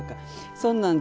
そんなんで。